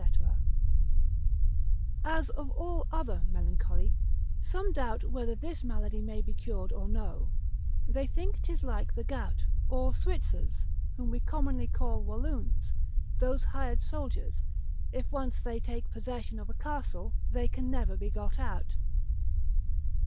_ As of all other melancholy, some doubt whether this malady may be cured or no, they think 'tis like the gout, or Switzers, whom we commonly call Walloons, those hired soldiers, if once they take possession of a castle, they can never be got out.